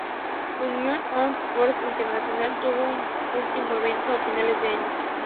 Union of Wrestling Forces International tuvo su último evento a finales de año.